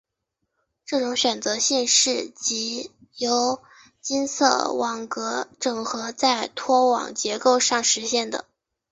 这种选择性是藉由金属网格整合在拖网结构上实现的。